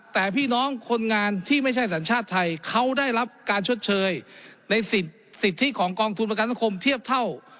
แต่พี่น้องคนงานที่ไม่ใช่สัญชาติไทยเขาได้รับการชดเชยในสิทธิของกองทุนประกันสังคมเทียบเท่า